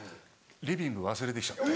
リビング忘れてきちゃって。